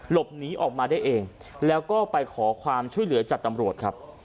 หลบหนีออกมาได้เองแล้วก็ไปขอความช่วยเหลือจากตำรวจครับ